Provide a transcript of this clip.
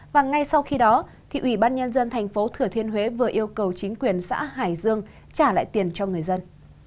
và ngay sau khi đó ủy ban nhân dân thành phố thừa thiên huế vừa yêu cầu chính quyền xã hải dương trả lại tiền cho người dân